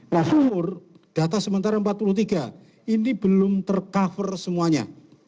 nah sumur data sementara empat puluh tiga ini belum ter cover semuanya